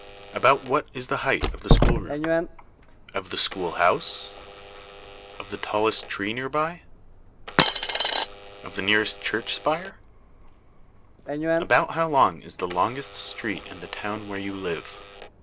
About what is the height of the schoolroom? Of the schoolhouse? Of the tallest tree near by? Of the nearest church spire? About how long is the longest street in the town where you live?